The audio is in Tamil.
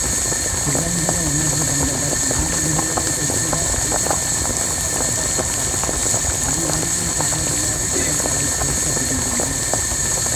சுதந்திர உணர்வு கொண்டவர், நாடு விடுதலை பெற்றிட அயராது பாடுபட்டவராதலால், கவிமன்னன் பாரதியார் பாடல்களைக் கேட்க விரும்பினார்.